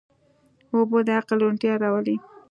اوبه د عقل روڼتیا راولي.